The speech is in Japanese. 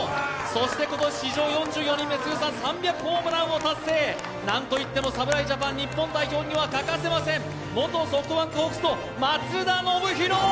そして史上４４人目通算３００ホームランを達成、なんといっても侍ジャパン日本代表には欠かせません、元ソフトバンクホークスの松田宣浩。